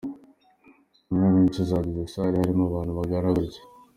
Saa moya n'igice zageze muri salle harimo abantu bangana gutya.